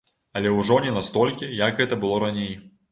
Але ўжо не настолькі, як гэта было раней.